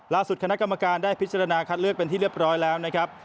คณะกรรมการได้พิจารณาคัดเลือกเป็นที่เรียบร้อยแล้วนะครับ